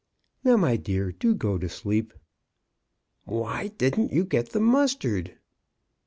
Now, my dear, do go to sleep." Why didn't you get the mustard?